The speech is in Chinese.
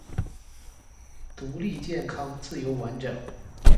独立健康自由完整